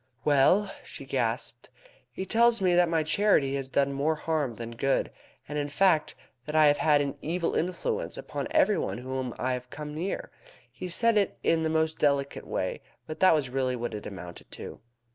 "Well?" she gasped. "He tells me that my charity has done more harm than good, and in fact, that I have had an evil influence upon every one whom I have come near. He said it in the most delicate way, but that was really what it amounted to."